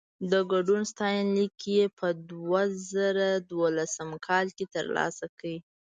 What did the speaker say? د ګډون ستاینلیک يې په دوه زره دولسم کال کې ترلاسه کړ.